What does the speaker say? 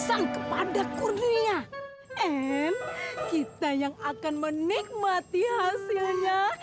and kita yang akan menikmati hasilnya